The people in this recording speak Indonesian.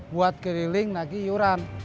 buat keliling lagi iuran